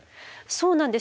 そうなんです。